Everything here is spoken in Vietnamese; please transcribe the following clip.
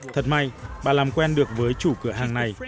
thật may bà làm quen được với chủ cửa hàng này